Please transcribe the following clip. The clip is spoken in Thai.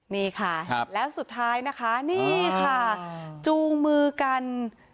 นี่ค่ะแล้วสุดท้ายนะคะนี่ค่ะจูงมือกัน